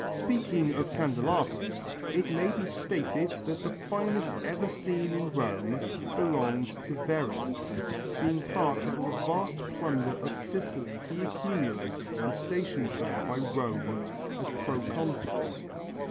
Speaking of candelabras, it may be stated that the finest ever seen in Rome belonged to Verres, being part of the vast plunder of Sicily he accumulated when stationed there by Rome as proconsul.